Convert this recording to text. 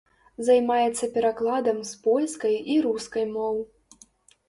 Займаецца перакладам з польскай і рускай моў.